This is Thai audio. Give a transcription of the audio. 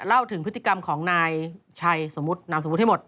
เล่าถึงพฤติกรรมของนายชัยสมมุตินามสมมุติให้หมด